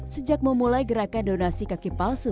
sejak memulai gerakan donasi kaki palsu